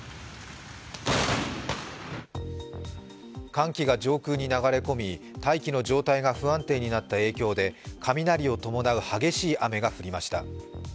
寒気が上空に流れ込み、大気の状態が不安定になった影響で、雷を伴う激しい雨が降りました。